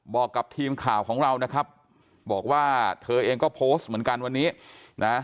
บอกกับทีมข่าวของเรานะครับบอกว่าเธอเองก็โพสต์เหมือนกันวันนี้นะ